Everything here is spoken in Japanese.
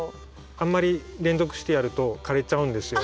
あんまり連続してやると枯れちゃうんですよ。